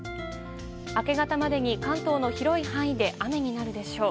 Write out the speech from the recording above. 明け方までに関東の広い範囲で雨になるでしょう。